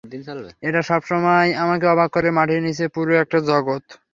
এটা সবসময় আমাকে অবাক করে, মাটির নিচে পুরো একটা জগৎ।